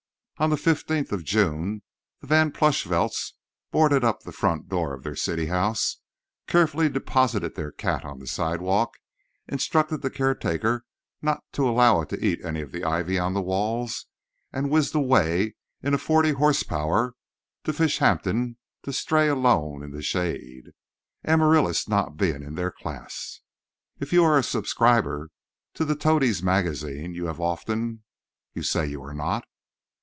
On the fifteenth of June the Van Plushvelts boarded up the front door of their city house, carefully deposited their cat on the sidewalk, instructed the caretaker not to allow it to eat any of the ivy on the walls, and whizzed away in a 40 horse power to Fishampton to stray alone in the shade—Amaryllis not being in their class. If you are a subscriber to the Toadies' Magazine, you have often—You say you are not?